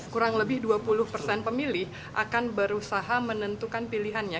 kurang lebih dua puluh persen pemilih akan berusaha menentukan pilihannya